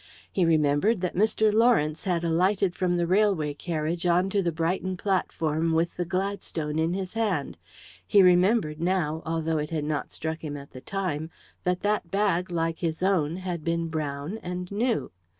He remembered that Mr. Lawrence had alighted from the railway carriage on to the Brighton platform with the Gladstone in his hand; he remembered now, although it had not struck him at the time, that that bag, like his own, had been brown and new.